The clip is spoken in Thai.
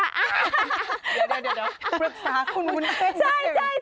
เดี๋ยวเดี๋ยวปรึกษาคุณวุ้นเส้น